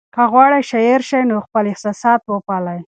که غواړئ شاعر شئ نو خپل احساسات وپالئ.